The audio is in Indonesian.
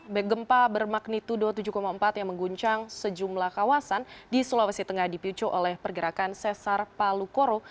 begempa bermagnitudo tujuh empat yang mengguncang sejumlah kawasan di sulawesi tengah dipicu oleh pergerakan sesar palu koro